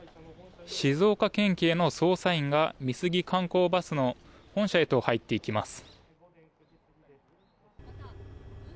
静岡県警の捜査員が美杉観光バスの本社へと入っていきます。